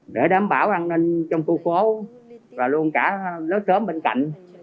để đảm bảo an ninh trong khu phố và luôn cả lớp sớm bên cạnh